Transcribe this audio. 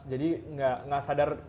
jadi tidak sadar